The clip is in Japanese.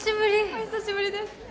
お久しぶりです